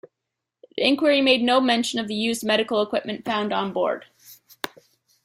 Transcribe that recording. The inquiry made no mention of the used medical equipment found on board.